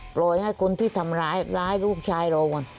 ปล่อยให้คนที่ทำร้ายร้ายลูกชายเรา